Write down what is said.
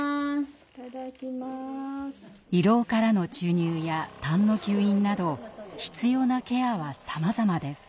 胃ろうからの注入やたんの吸引など必要なケアはさまざまです。